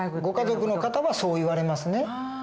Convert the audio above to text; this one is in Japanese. ご家族の方はそう言われますね。